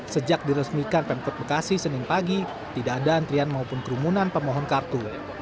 sejak diresmikan pemkot bekasi senin pagi tidak ada antrian maupun kerumunan pemohon kartu